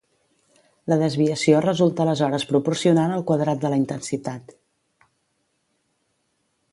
La desviació resulta aleshores proporcional al quadrat de la intensitat.